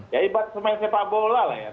ya ibat semain sepak bola lah ya